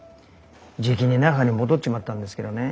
じきに那覇に戻っちまったんですけどね。